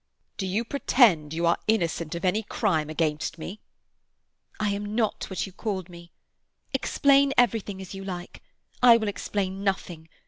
"Do you pretend you are innocent of any crime against me?" "I am not what you called me. Explain everything as you like. I will explain nothing.